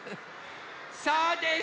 そうです！